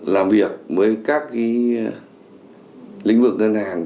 làm việc với các lĩnh vực ngân hàng